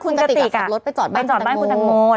คุณกติกอ่ะไปจอดบ้านคุณทางโมน